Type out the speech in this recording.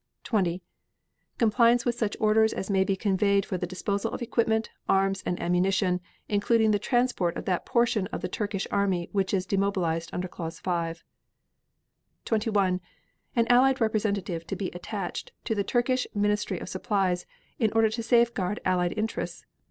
20. Compliance with such orders as may be conveyed for the disposal of equipment, arms and ammunition, including the transport of that portion of the Turkish army which is demobilized under Clause 5. 21. An Allied representative to be attached to the Turkish Ministry of Supplies in order to safeguard Allied interests.